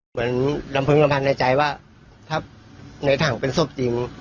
เหมือนลำพึงลำพันธ์ในใจว่าถ้าในถังเป็นศพจริง